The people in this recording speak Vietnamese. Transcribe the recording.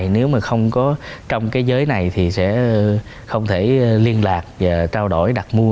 nếu mà không có trong cái giới này thì sẽ không thể liên lạc và trao đổi đặt mua